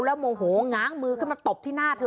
แล้วโมโหง้างมือขึ้นมาตบที่หน้าเธอ